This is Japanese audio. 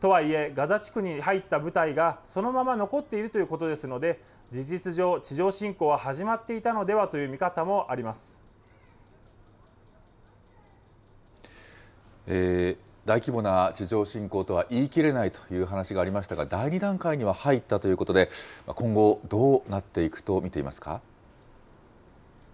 とはいえ、ガザ地区に入った部隊がそのまま残っているということですので、事実上、地上侵攻は始まっていたのではという見方もあ大規模な地上侵攻とは言い切れないという話がありましたが、第２段階には入ったということで、今後、どうなっていくと見ていますか。